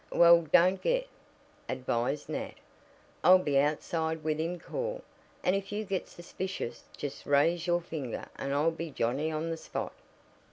"Well, don't get," advised Nat. "I'll be outside within call, and if you get suspicious just raise your finger and I'll be Johnnie on the spot."